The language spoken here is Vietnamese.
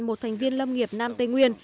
một thành viên lâm nghiệp nam tây nguyên